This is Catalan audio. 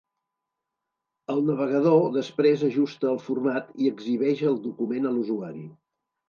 El navegador després ajusta el format i exhibeix el document a l'usuari.